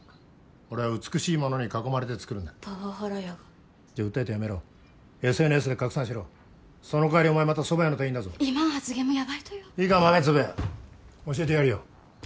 俺は美しいものに囲まれて作るんだパワハラやがじゃ訴えて辞めろＳＮＳで拡散しろそのかわりお前また蕎麦屋の店員だぞ今ん発言もやばいとよいいか豆粒教えてやるよ